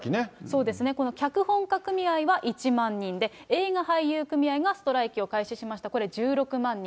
そうですね、この脚本家組合は１万人で、映画俳優組合がストライキを開始しました、これ１６万人。